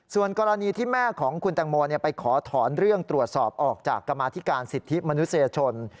ส่วนกรณีที่แม่ของคุณแตงโมไปขอถอนเรื่องตรวจสอบออกจากกรรมาธิการสิทธิมนุษยชน